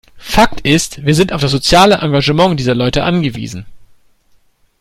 Fakt ist, wir sind auf das soziale Engagement dieser Leute angewiesen.